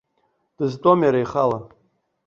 Дызтәом иара ихала.